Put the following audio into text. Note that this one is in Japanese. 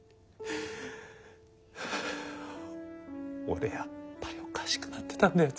俺やっぱりおかしくなってたんだよ